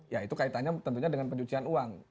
ya itu kaitannya tentunya dengan pencucian uang